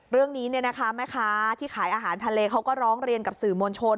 เรื่องนี้แม่ค้าที่ขายอาหารทะเลเขาก็ร้องเรียนกับสื่อมวลชน